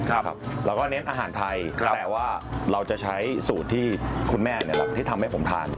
เราก็เน้นอาหารไทยแต่ว่าเราจะใช้สูตรที่คุณแม่ที่ทำให้ผมทาน